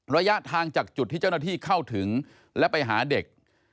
ระยะทางจากจุดที่เจ้าหน้าที่เข้าถึงและไปหาเด็ก